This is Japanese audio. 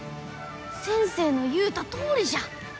先生の言うたとおりじゃ！